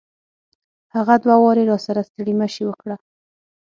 هغه دوه واري راسره ستړي مشي وکړه.